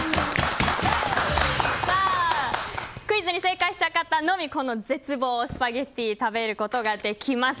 クイズに正解した方のみ絶望スパゲティを食べることができます。